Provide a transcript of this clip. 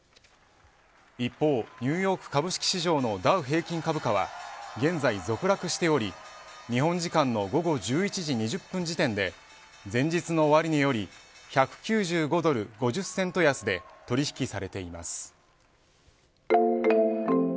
一方、ニューヨーク株式市場のダウ平均株価は現在続落しており日本時間の午後１１時２０分時点で前日の終値より１９５ドル５０セント安で取引されています。